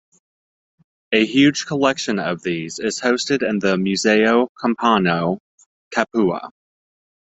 A huge collection of these is hosted in the Museo Campano, Capua.